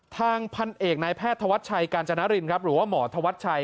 ทางพันเอกในแพทย์ทวัดชัยกาญจนารินหรือว่าหมอทวัดชัย